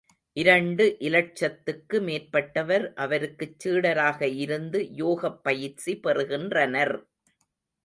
இரண்டு இலட்சத்துக்கு மேற்பட்டவர் அவருக்குச் சீடராக இருந்து யோகப் பயிற்சி பெறுகின்றனர்.